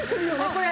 これ。